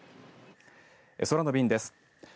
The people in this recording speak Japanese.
空の便です。